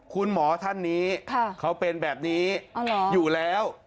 คุณหมอท่านนี้เขาเป็นแบบนี้อยู่แล้ว